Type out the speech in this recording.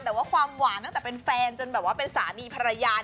แต่ว่าความหวานตั้งแต่เป็นแฟนจนแบบว่าเป็นสามีภรรยา